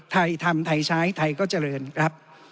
ไทยทำไทยใช้ไทยก็เจริญครับ